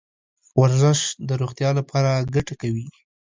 ورزش د روغتیا لپاره ګټه کوي .